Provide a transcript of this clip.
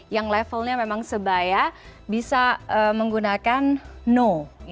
yang levelnya memang sebaya bisa menggunakan no